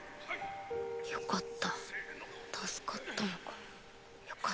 良かった助かったのか。